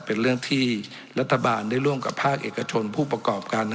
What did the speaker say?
เป็นเรื่องที่รัฐบาลได้ร่วมกับภาคเอกชนผู้ประกอบการ